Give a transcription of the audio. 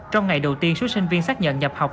trong ngày đầu tiên số sinh viên xác nhận nhập học